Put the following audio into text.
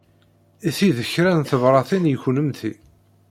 Ti d kra n tebṛatin i kennemti.